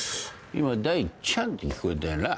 今「大ちゃん」って聞こえたよな？